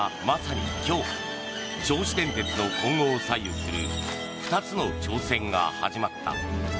まさに今日銚子電鉄の今後を左右する２つの挑戦が始まった。